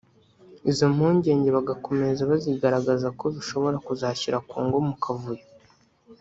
izo mpungenge bagakomeza bazigaragaza ko bishobora kuzashyira Congo mu kavuyo